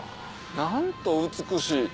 何と美しい。